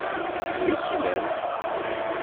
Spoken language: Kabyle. Wi i k-ilan?